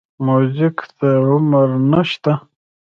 موزیک ته عمر نه شته.